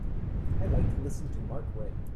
I'd like to listen to mark rae